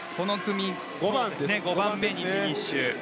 ５番目にフィニッシュ。